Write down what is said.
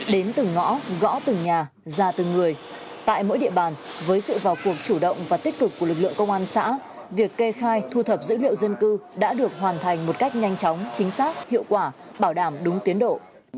đến từng ngõ gõ từng nhà ra từng người tại mỗi địa bàn với sự vào cuộc chủ động và tích cực của lực lượng công an xã việc kê khai thu thập dữ liệu dân cư đã được hoàn thành một cách nhanh chóng chính xác hiệu quả bảo đảm đúng tiến độ